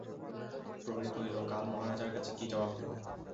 প্রহরী কহিল, কাল মহারাজের কাছে কী জবাব দিব?